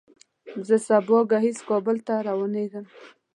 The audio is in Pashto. زه سبا ګهیځ کابل ته روانېږم.